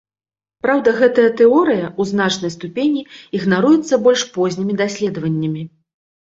Праўда гэтая тэорыя ў значнай ступені ігнаруецца больш познімі даследаваннямі.